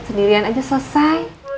sendirian aja selesai